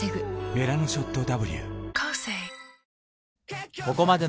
「メラノショットＷ」